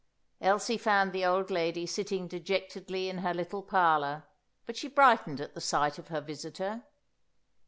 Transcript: Elsie found the old lady sitting dejectedly in her little parlour, but she brightened at the sight of her visitor.